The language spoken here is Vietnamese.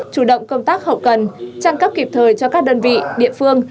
chủ động công tác hậu cần trang cấp kịp thời cho các đơn vị địa phương